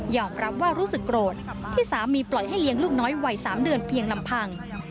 รับว่ารู้สึกโกรธที่สามีปล่อยให้เลี้ยงลูกน้อยวัย๓เดือนเพียงลำพัง